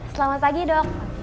selamat pagi dok